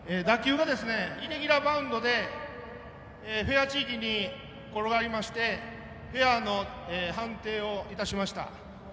打球がイレギュラーバウンドでフェア地域に転がりましてフェアの判定をいたしました。